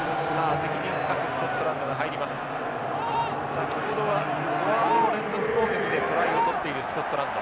先ほどはフォワードの連続攻撃でトライを取っているスコットランド。